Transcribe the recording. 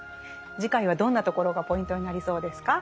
次回はどんなところがポイントになりそうですか？